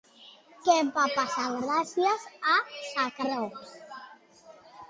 Què va passar gràcies a Cècrops?